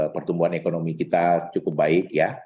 pertumbuhan ekonomi kita cukup baik ya